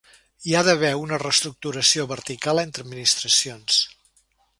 Hi ha d’haver una reestructuració vertical entre administracions.